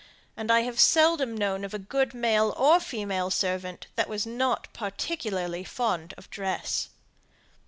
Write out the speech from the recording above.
And I have seldom known a good male or female servant that was not particularly fond of dress.